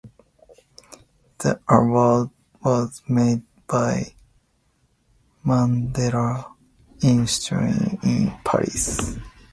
The award was made by the Mandela Institute in Paris.